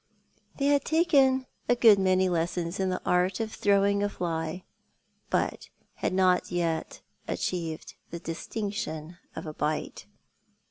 They had taken a good many lessons in the art of throwing a fly, but had not yet achieved the distinction of a bite.